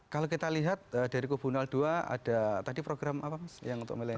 kalau kita lihat dari kubu dua ada tadi program apa mas yang untuk milenial